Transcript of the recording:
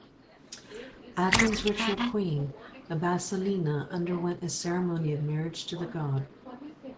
Athens's ritual queen, the basilinna, underwent a ceremony of marriage to the god.